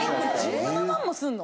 ・１７万もすんの？